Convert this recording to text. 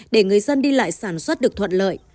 để người dân đi lại xã nghĩa thương